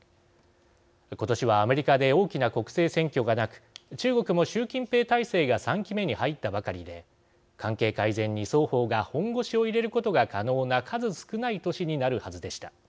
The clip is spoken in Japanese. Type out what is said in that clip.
今年はアメリカで大きな国政選挙がなく中国も習近平体制が３期目に入ったばかりで関係改善に双方が本腰を入れることが可能な数少ない年になるはずでした。